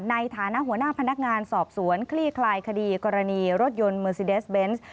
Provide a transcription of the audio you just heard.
ในฐานะหัวหน้าพนักงานสอบสวนคลี่คลายคดีกรณีรถยนต์เมอร์ซีเดสเบนส์